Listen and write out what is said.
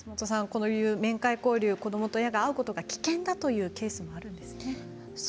こういう面会交流、子どもと親が会うことが危険だというケースもあるんですね。